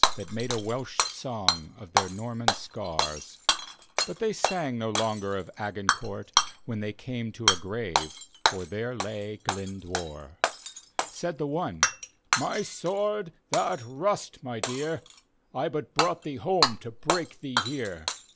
That made a Welsh song of their Norman scars, But they sang no longer of Agincourt, When they came to a grave, for there lay Glyndwr. Said the one, " My sword, th'art rust, my dear, I but brought thee home to break thee here."